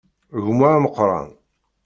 Gma ameqqran.